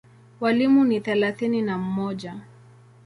Walimu ni thelathini na mmoja.